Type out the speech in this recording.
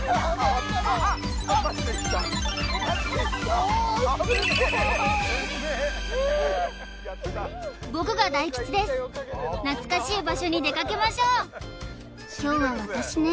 よーい僕が大吉です懐かしい場所に出かけましょう凶は私ね